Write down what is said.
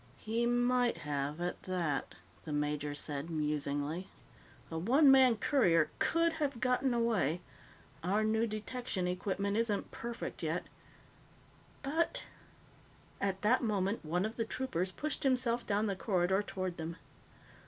"He might have, at that," the major said musingly. "A one man courier could have gotten away. Our new detection equipment isn't perfect yet. But " At that moment, one of the troopers pushed himself down the corridor toward them.